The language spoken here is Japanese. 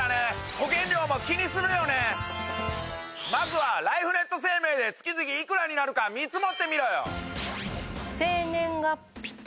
まずはライフネット生命で月々いくらになるか見積もってみろよ！